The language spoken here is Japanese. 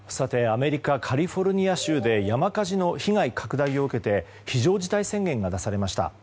アメリカカリフォルニア州で山火事の被害拡大を受けて非常事態宣言が出されました。